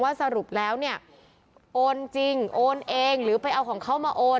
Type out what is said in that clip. สรุปแล้วเนี่ยโอนจริงโอนเองหรือไปเอาของเขามาโอน